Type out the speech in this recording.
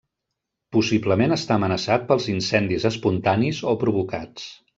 Possiblement està amenaçat pels incendis espontanis o provocats.